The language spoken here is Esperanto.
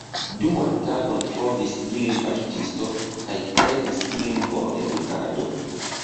Duan tagon trovis ilin paŝtisto kaj prenis ilin por edukado.